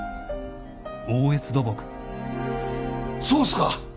そうっすか。